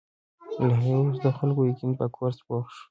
له هغې وروسته د خلکو یقین په کورس پوخ شو.